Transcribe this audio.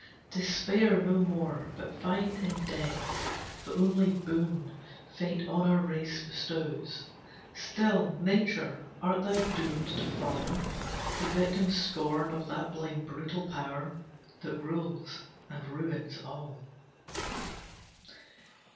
Despair no more, but find in Death The only boon Fate on our race bestows! Still, Nature, art thou doomed to fall, The victim scorned of that blind, brutal power That rules and ruins all.